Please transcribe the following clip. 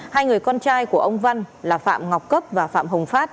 hai người con trai của ông văn là phạm ngọc cấp và phạm hồng phát